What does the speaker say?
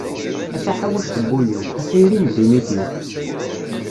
A taḥawact n wul-iw, a tayri n dunnit-iw.